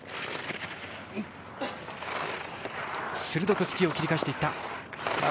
鋭くスキーを切り返しています。